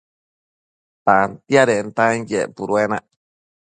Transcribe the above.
Tantiadentanquien puduenac